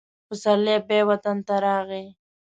پسرلی بیا وطن ته راغی.